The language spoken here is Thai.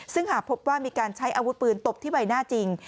ซึ่งหากพบว่ามีการใช้อาวุธปืนตบที่ใบหน้าจริง